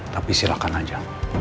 tapi silahkan saja